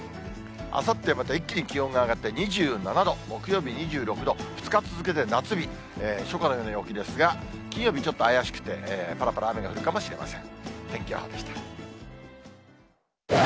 あさってまた一気に気温が上がって２７度、木曜日２６度、２日続けて夏日、初夏のような陽気ですが、金曜日ちょっと怪しくて、ぱらぱら雨が降るかもしれません。